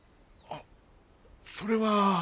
あっそれは。